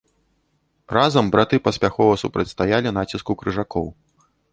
Разам браты паспяхова супрацьстаялі націску крыжакоў.